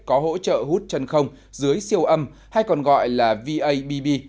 có hỗ trợ hút chân không dưới siêu âm hay còn gọi là vabb